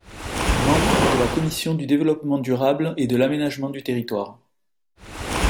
Membre de la commission du développement durable et de l'aménagement du territoire.